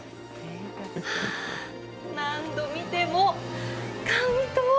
何度見ても感動。